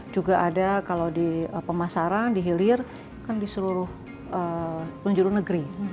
juga ada kalau di pemasaran di hilir kan di seluruh penjuru negeri